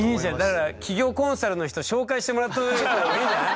だから企業コンサルの人紹介してもらったほうがいいんじゃない。